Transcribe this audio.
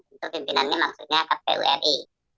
untuk pimpinan ini maksudnya kpu ri